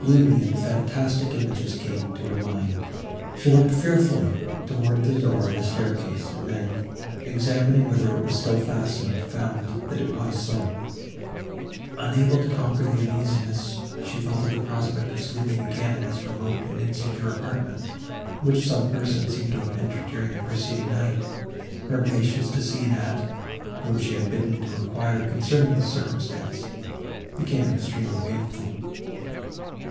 Gloomy and fantastic images came to her mind. She looked fearfully towards the door of the staircase, and then, examining whether it was still fastened, found that it was so. Unable to conquer the uneasiness she felt at the prospect of sleeping again in this remote and insecure apartment, which some person seemed to have entered during the preceding night, her impatience to see Annette, whom she had bidden to enquire concerning this circumstance, became extremely painful.